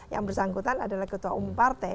yang bersangkutan adalah ketua umum partai